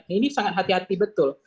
ini sangat hati hati betul